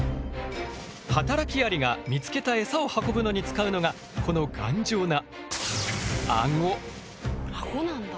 はたらきアリが見つけたエサを運ぶのに使うのがアゴなんだ。